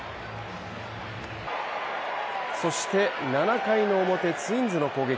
そして７回の表、ツインズの攻撃。